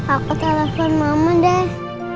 aku telepon mama deh